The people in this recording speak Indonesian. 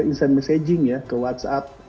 insan messaging ya ke whatsapp